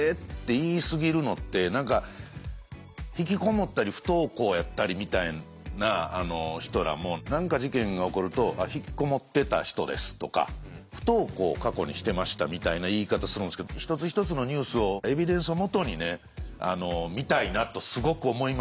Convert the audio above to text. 引きこもったり不登校やったりみたいな人らも何か事件が起こると「引きこもってた人です」とか「不登校過去にしてました」みたいな言い方するんですけど一つ一つのニュースをエビデンスをもとに見たいなとすごく思いました。